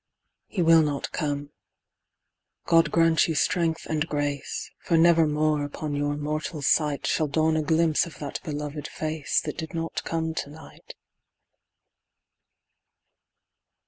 He will not come. God grant you strength and grace, For never more upon your mortal sight Shall dawn a glimpse of that beloved face That did not come to night.